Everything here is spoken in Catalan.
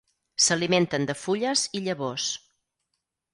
S'alimenten de fulles i llavors.